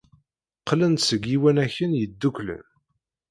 Qqlen-d seg Yiwanaken Yeddukklen.